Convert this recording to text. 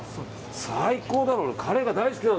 最高だな。